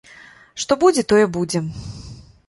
Што будзе, тое будзе.